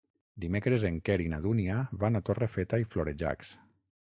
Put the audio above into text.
Dimecres en Quer i na Dúnia van a Torrefeta i Florejacs.